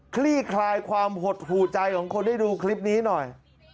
คลี่คลายความหดหูใจของคนได้ดูคลิปนี้หน่อย